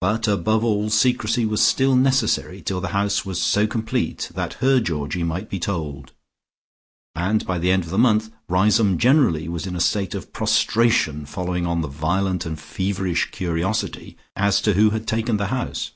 But above all secrecy was still necessary till the house was so complete that her Georgie might be told, and by the end of the month Riseholme generally was in a state of prostration following on the violent and feverish curiosity as to who had taken the house.